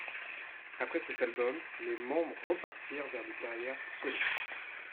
Après cet album, les membres repartirent vers des carrières solo.